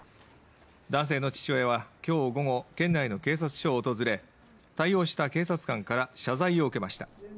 男性の父親は今日午後、県内の警察署を訪れ対応した警察官から謝罪を受けました。